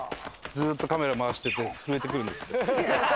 ずっとカメラ回して手震えてくるんですって。